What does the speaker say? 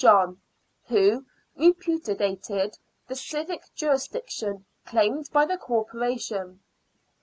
John, who repudiated the civic jurisdiction claimed by the Corporation.